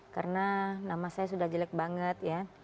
karena nama saya sudah jelek banget ya